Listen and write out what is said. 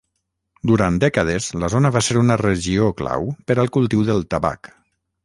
Durant dècades, la zona va ser una regió clau per al cultiu del tabac.